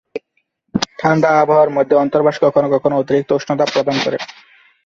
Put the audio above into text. ঠান্ডা আবহাওয়ার মধ্যে, অন্তর্বাস কখনো কখনো অতিরিক্ত উষ্ণতা প্রদান করে।